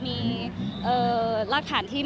มันเป็นปัญหาจัดการอะไรครับ